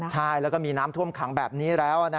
ใช่แล้วก็มีน้ำท่วมขังแบบนี้แล้ว